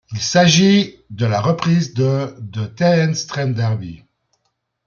Il s'agit de la reprise de de Terence Trent D'Arby.